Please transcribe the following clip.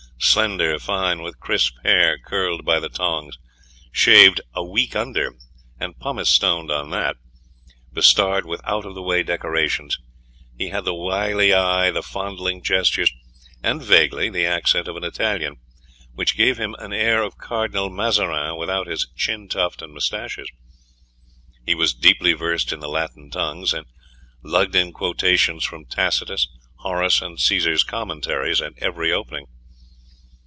Slender, fine, with crisp hair curled by the tongs, shaved "a week under" and pumice stoned on that, bestarred with out of the way decorations, he had the wily eye, the fondling gestures, and vaguely the accent of an Italian, which gave him an air of Cardinal Mazarin without his chin tuft and moustaches. He was deeply versed in the Latin tongues, and lugged in quotations from Tacitus, Horace, and Caesar's Commentaries at every opening.